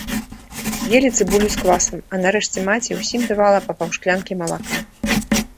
Елі цыбулю з квасам, а нарэшце маці ўсім давала па паўшклянкі малака.